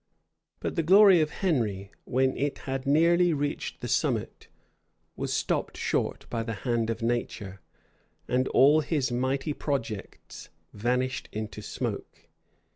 {1422.} But the glory of Henry, when it had nearly reached the summit, was stopped short by the hand of nature; and all his mighty projects vanished into smoke.